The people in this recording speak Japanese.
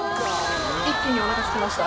一気におなかすきました。